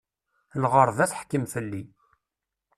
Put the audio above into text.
Lɣeṛba teḥkem fell-i.